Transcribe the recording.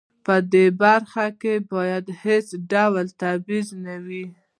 په دې برخه کې باید هیڅ ډول تبعیض نه وي.